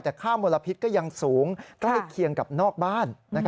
แต่ค่ามลพิษก็ยังสูงใกล้เคียงกับนอกบ้าน